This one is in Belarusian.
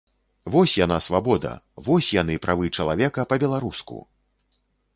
Вось яна, свабода, вось яны, правы чалавека па-беларуску!